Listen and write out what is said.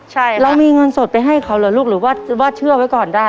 ใช่เรามีเงินสดไปให้เขาเหรอลูกหรือว่าว่าเชื่อไว้ก่อนได้